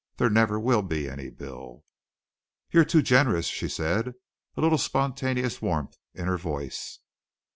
There never will be any bill." "You're too generous," she said, a little spontaneous warmth in her voice.